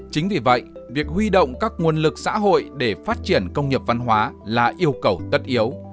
chính vì vậy việc huy động các nguồn lực xã hội để phát triển công nghiệp văn hóa là yêu cầu tất yếu